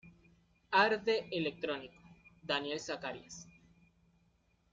Arte electrónico: Daniel Zacarías.